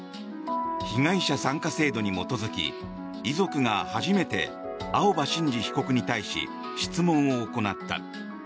被害者参加制度に基づき遺族が初めて青葉真司被告に対し質問を行った。